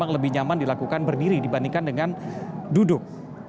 lebih nyaman dilakukan berdiri dibandingkan dengan duduk